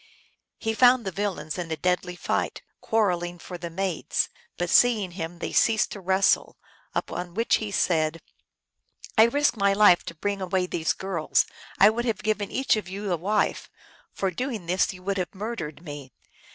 He found the villains in a deadly fight, quarrel ing for the maids ; but seeing him they ceased to wrestle, upon which he said, " I risked rny life to bring away these girls ; I would have given each of you a wife : for doing this you would have murdered me.